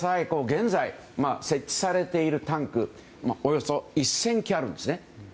現在設置されているタンクでおよそ１０００基あるんですね。